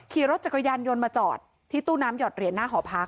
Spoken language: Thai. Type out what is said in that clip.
ขี่รถจักรยานยนต์มาจอดที่ตู้น้ำหอดเหรียญหน้าหอพัก